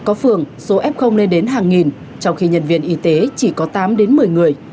có phường số f lên đến hàng nghìn trong khi nhân viên y tế chỉ có tám đến một mươi người